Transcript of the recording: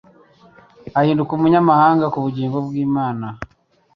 Ahinduka «umunyamahanga ku bugingo bw'Imana.»